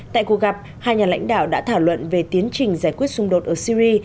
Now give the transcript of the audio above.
tại cuộc gặp hai nhà lãnh đạo đã thảo luận về tiến trình giải quyết xung đột ở syri